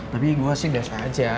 tapi gue sih udah saja